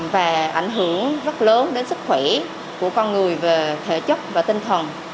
và ảnh hưởng rất lớn đến sức khỏe của con người về thể chất và tinh thần